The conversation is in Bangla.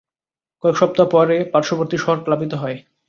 কয়েক সপ্তাহ পরে পার্শ্ববর্তী শহর প্লাবিত হয়।